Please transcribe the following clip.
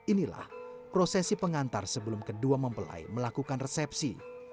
inilah prosesi pengantar sebelum kedua mempelai melakukan resepsi